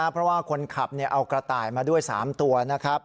เพราะว่าคนขับเอากระต่ายมาด้วย๓ตัวนะครับ